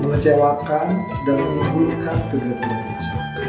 mengecewakan dan menimbulkan kegagalan masyarakat